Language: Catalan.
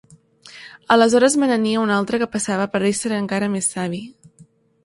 Aleshores me n'aní a un altre que passava per ésser encara més savi.